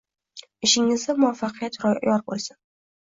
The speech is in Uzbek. Ishingizda muvafaqqiyat yor bo'lsin!